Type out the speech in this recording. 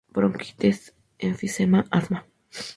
Bronquitis, enfisema, asma.